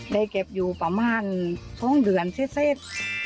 ได้เก็บอยู่ประมาณ๒เดือนเสร็จ